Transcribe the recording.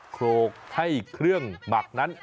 โครกให้เครื่องหมักนั้น